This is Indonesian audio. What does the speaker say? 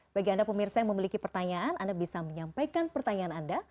bagi anda pemirsa yang memiliki pertanyaan anda bisa menyampaikan pertanyaan anda